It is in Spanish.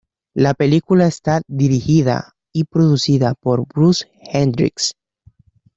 La película está dirigida y producida por Bruce Hendricks.